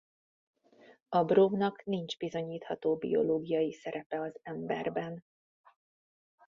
A brómnak nincs bizonyítható biológiai szerepe az emberben.